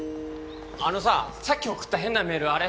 あのささっき送った変なメールあれ